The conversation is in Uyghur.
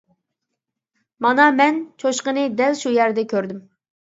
مانا مەن چوشقىنى دەل شۇ يەردە كۆردۈم.